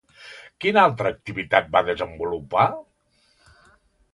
Quina altra activitat va desenvolupar?